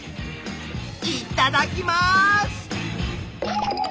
いただきます！